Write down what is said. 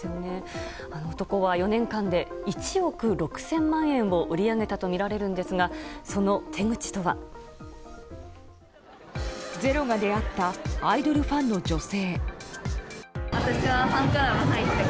男は４年間で１億６０００万円を売り上げたとみられるんですがその手口とは。「ｚｅｒｏ」が出会ったアイドルファンの女性。